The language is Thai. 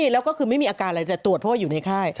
แล้วก็คือไม่มีอาการอะไรจะตรวจเพราะว่าอยู่ในค่าย